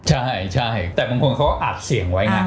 ใช่แต่บางคนเขาอัดเสียงไว้ไง